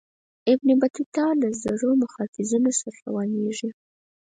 ابن بطوطه له زرو محافظینو سره روانیږي.